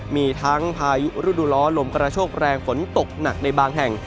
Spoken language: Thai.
มีทั้งพายุฤดูร้อนลมกระโชคแรงฝนตกหนักในบางแห่ง